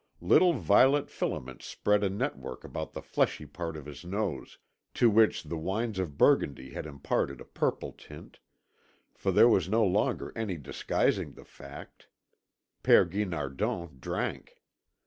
Little violet filaments spread a network about the fleshy part of his nose, to which the wines of Burgundy had imparted a purple tint; for there was no longer any disguising the fact, Père Guinardon drank.